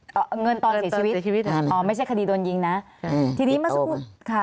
อย่างเงินตอนเสียชีวิตไม่ใช่คดีโดนยิงนะ